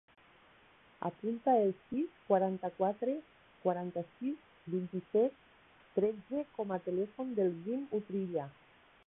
Apunta el sis, quaranta-quatre, quaranta-sis, vint-i-set, tretze com a telèfon del Guim Utrilla.